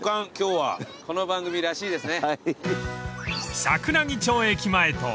この番組らしいですね。